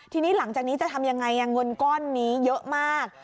ทีนี้หลังจากนี้จะทำยังไงเงินก้อนนี้เยอะมาก